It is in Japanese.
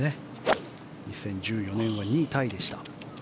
２０１４年は２位タイでした。